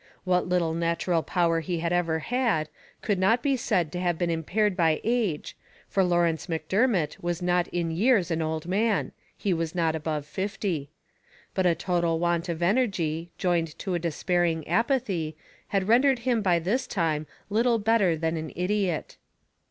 What little natural power he had ever had, could not be said to have been impaired by age, for Lawrence Macdermot was not in years an old man he was not above fifty; but a total want of energy, joined to a despairing apathy, had rendered him by this time little better than an idiot.